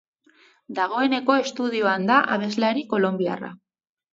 Dagoeneko estudioan da abeslari kolonbiarra.